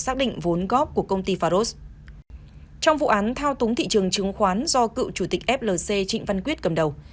trong tháng thao túng thị trường chứng khoán do cựu chủ tịch flc trịnh văn quyết cầm đầu